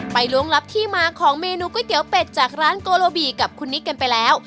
ล้วงลับที่มาของเมนูก๋วยเตี๋ยวเป็ดจากร้านโกโลบีกับคุณนิกกันไปแล้ว